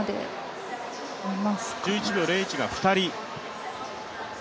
１１秒０１が２人。